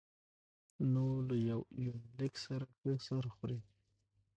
نو له يونليک سره ښه سر خوري